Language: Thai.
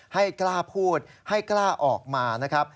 ให้กล้าพูดให้กล้าออกมานะครับ